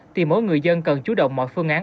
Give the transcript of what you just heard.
thì mỗi người dân cần chú động mọi phương án